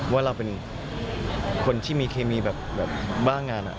ว่าเราเป็นคนที่มีเคมีแบบบ้างาน